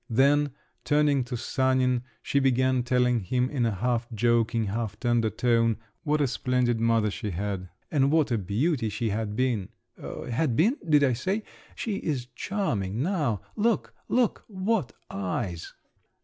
Then, turning to Sanin, she began telling him in a half joking, half tender tone what a splendid mother she had, and what a beauty she had been. "'Had been,' did I say? she is charming now! Look, look, what eyes!"